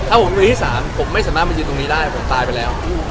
ถ้าผมมือที่๓ผมไม่สามารถมายืนตรงนี้ได้ผมตายไปแล้ว